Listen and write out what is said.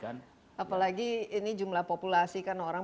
apalagi ini jumlah populasi kan orang